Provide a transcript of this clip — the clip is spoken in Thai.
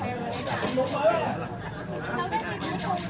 พี่สุนัยคิดถึงลูกไหมครับ